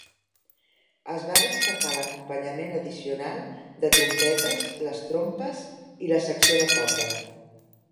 Es va destacar l'acompanyament addicional de trompetes, les trompes i la secció de corda.